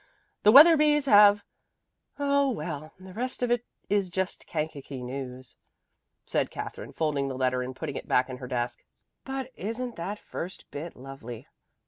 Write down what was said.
The Wetherbees have ' Oh well, the rest of it is just Kankakee news," said Katherine, folding the letter and putting it back in her desk. "But isn't that first bit lovely?